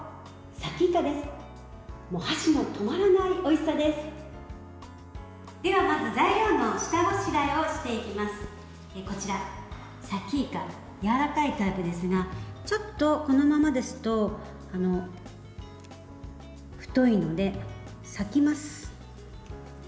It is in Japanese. さきいかやわらかいタイプですがちょっとこのままですと太いので裂きます。